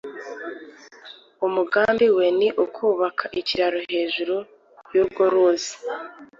Umugambi we ni ukubaka ikiraro hejuru yurwo ruzi